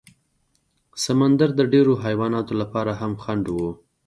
سمندر د ډېرو حیواناتو لپاره هم خنډ و.